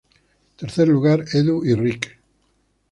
Tercer lugar: Edu y Rick.